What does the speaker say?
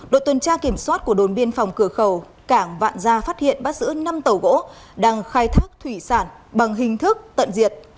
đội tuần tra kiểm soát của đồn biên phòng cửa khẩu cảng vạn gia phát hiện bắt giữ năm tàu gỗ đang khai thác thủy sản bằng hình thức tận diệt